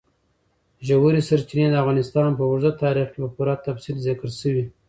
ژورې سرچینې د افغانستان په اوږده تاریخ کې په پوره تفصیل ذکر شوی.